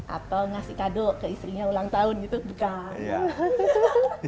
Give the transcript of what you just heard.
atau ngasih kado ke istrinya ulang tahun gitu bukan